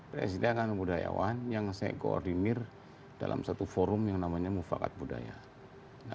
presiden adalah budayawan yang saya koordinir dalam satu forum yang namanya mufakat budaya